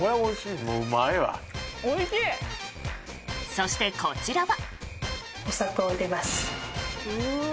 そして、こちらは。